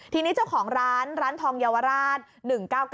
ทีนี้เจ้าของร้านร้านทองเยาวราช๑๙๙